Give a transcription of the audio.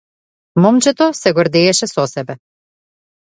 Момчето се гордееше со себе.